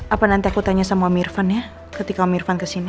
apa nanti aku tanya sama mirvan ya ketika mirvan kesini